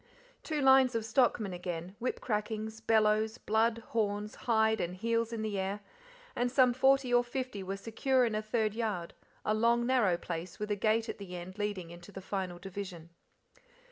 Two lines of stockmen again, whip crackings, bellows, blood, horns, hide and heels in the air, and some forty or fifty were secure in a third yard, a long narrow place with a gate at the end leading into the final division.